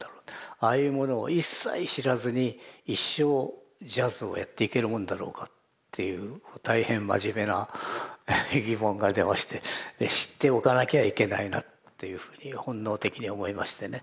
ああいうものを一切知らずに一生ジャズをやっていけるもんだろうかっていう大変真面目な疑問が出まして知っておかなきゃいけないなっていうふうに本能的に思いましてね。